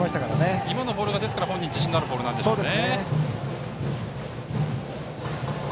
今のボールが自信のあるボールなんですね。